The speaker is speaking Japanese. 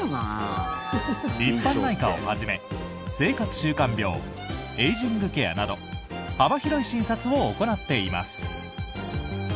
一般内科をはじめ生活習慣病、エイジングケアなど幅広い診察を行っています。